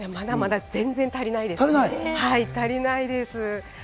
まだまだ全然足りないです。